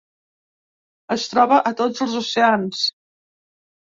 Es troba a tots els oceans.